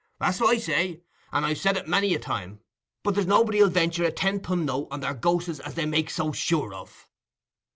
That's what I say, and I've said it many a time; but there's nobody 'ull ventur a ten pun' note on their ghos'es as they make so sure of."